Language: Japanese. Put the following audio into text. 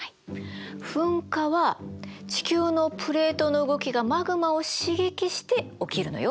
噴火は地球のプレートの動きがマグマを刺激して起きるのよ。